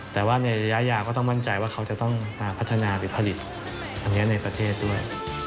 แต่ว่าในระยะยาวก็ต้องมั่นใจว่าเขาจะต้องมาพัฒนาหรือผลิตอันนี้ในประเทศด้วย